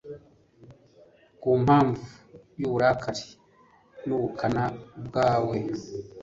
ku mpamvu y’uburakari n’ubukana bwawe